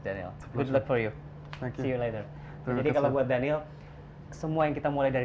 jadi kalau buat daniel semua yang kita mulai dari